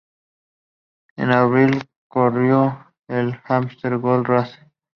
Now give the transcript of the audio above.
En abril, corrió en la Amstel Gold Race.